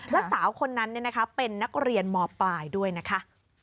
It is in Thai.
และสาวคนนั้นเป็นนักเรียนมปลายด้วยนะคะ